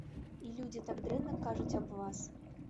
І людзі так дрэнна кажуць аб вас.